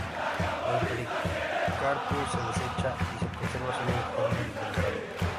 El pericarpio se desecha y se conserva solo el germen del grano.